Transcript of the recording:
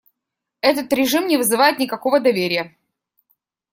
Этот режим не вызывает никакого доверия.